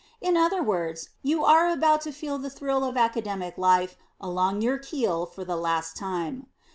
In other words, you are about to feel the thrill of Academic life along your keel for the last time.